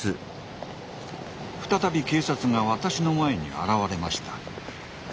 再び警察が私の前に現れました。